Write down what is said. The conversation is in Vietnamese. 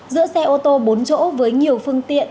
giữa xe ô tô bốn chỗ với nhiều phương tiện